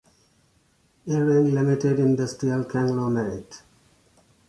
Irving Limited industrial conglomerate.